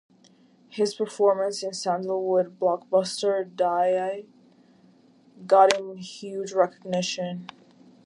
His performance in Sandalwood blockbuster Dia got him huge recognition.